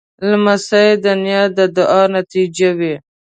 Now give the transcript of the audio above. لمسی د نیا د دعا نتیجه وي.